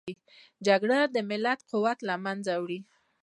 جګړه د ملت قوت له منځه وړي